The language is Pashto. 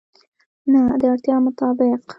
نه، د اړتیا مطابق